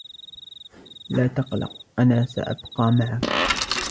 لا تقلق. أنا سأبقى معك..